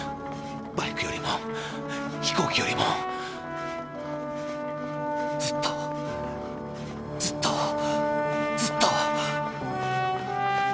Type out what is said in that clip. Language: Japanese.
バイクよりも飛行機よりもずっとずっとずっと。